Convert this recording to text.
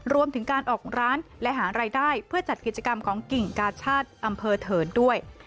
รวมถึงการออกร้านและหารายได้เพื่อจัดกิจกรรมของกิ่งกาชาติอำเภอเถินด้วย